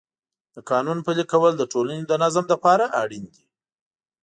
د قانون پلي کول د ټولنې د نظم لپاره اړین دی.